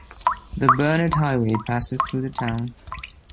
The Burnett Highway passes through the town.